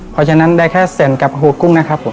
เพราะฉะนั้นได้แค่เสิร์นกับหัวกุ้งนะครับผม